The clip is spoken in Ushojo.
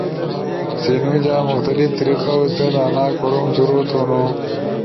سی نو جا مختلف طریقاو ست آنا کوروم شروع تھونو۔